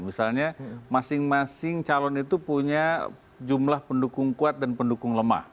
misalnya masing masing calon itu punya jumlah pendukung kuat dan pendukung lemah